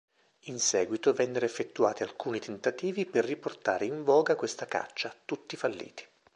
In seguito vennero effettuati alcuni tentativi per riportare in voga questa caccia, tutti falliti.